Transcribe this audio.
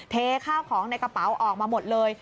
เทข้าวของในกระเป๋าออกมาหมดเลย